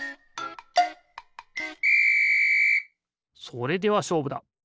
それではしょうぶだ！